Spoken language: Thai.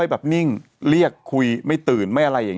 มีสารตั้งต้นเนี่ยคือยาเคเนี่ยใช่ไหมคะ